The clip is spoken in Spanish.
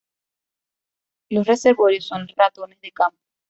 Los reservorios son los ratones de campo.